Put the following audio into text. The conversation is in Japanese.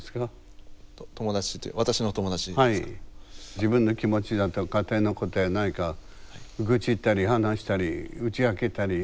自分の気持ちだとか家庭のことやら何か愚痴ったり話したり打ち明けたりすることができる人。